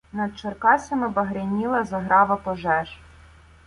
Над Черкасами багряніла заграва пожеж.